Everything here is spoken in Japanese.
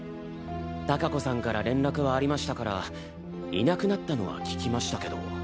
貴子さんから連絡はありましたからいなくなったのは聞きましたけど。